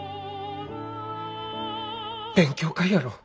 勉強会やろう。